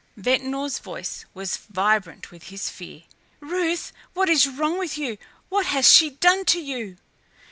Ventnor's voice was vibrant with his fear. "Ruth! What is wrong with you? What has she done to you?"